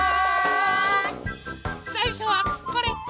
さいしょはこれ。